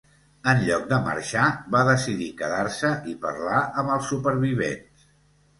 En lloc de marxar, va decidir quedar-se i parlar amb els supervivents.